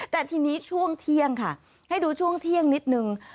แต่ทีนี้ช่วงเที่ยงค่ะให้ดูช่วงเที่ยงนิดนึง